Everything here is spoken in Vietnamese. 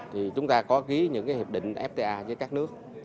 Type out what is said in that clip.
thì chúng ta có ký những hiệp định fta với các nước